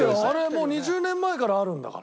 もう２０年前からあるんだから。